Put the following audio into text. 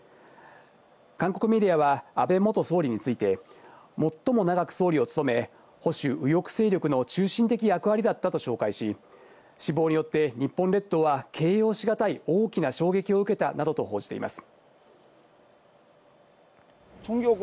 韓国メディアは、安倍元総理について、最も長く総理を務め、保守・右翼勢力の中心的役割だったと紹介し、死亡によって、日本列島は形容し難い大きな衝撃を受けたなどと報じています。